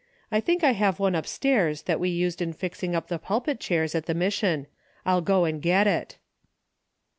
I think I have one upstairs that we used in fixing up the pulpit chairs at the mission. I'll go and get it."